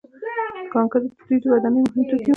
کانکریټ د دوی د ودانیو مهم توکي وو.